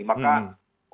maka orang selalu mengatakan